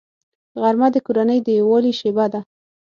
غرمه د کورنۍ د یووالي شیبه ده